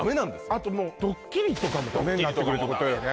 あともうドッキリとかもダメになってくるってことよね